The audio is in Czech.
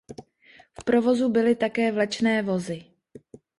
V provozu byly také vlečné vozy.